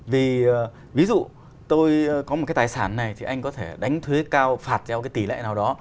vì ví dụ tôi có một cái tài sản này thì anh có thể đánh thuế cao phạt theo cái tỷ lệ nào đó